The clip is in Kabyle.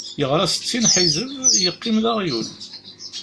Yeɣra settin ḥizeb, yeqqim d aɣyul.